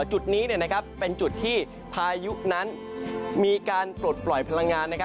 จุดนี้เป็นจุดที่พายุนั้นมีการปลดปล่อยพลังงาน